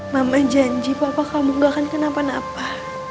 mama janji papa kamu gak akan kenapa napa